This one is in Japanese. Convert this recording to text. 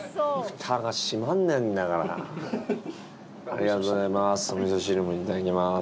ありがとうございます。